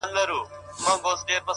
• حيوان څه چي د انسان بلا د ځان دي,